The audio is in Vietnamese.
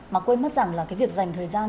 mà quên mất rằng là cái việc dành thời gian